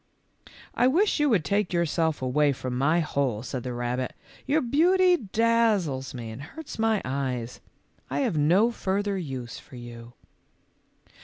" I wish you would take yourself away from my hole," said the rabbit ;" your beauty daz zles me and hurts my eyes. I have no further use for you."